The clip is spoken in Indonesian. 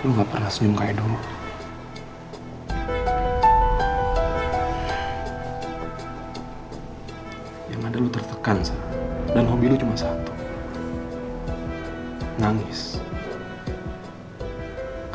lu jangan sok tau ya rik